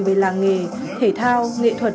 về làng nghề thể thao nghệ thuật